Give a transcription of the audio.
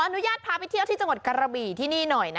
อนุญาตพาไปเที่ยวที่จังหวัดกระบี่ที่นี่หน่อย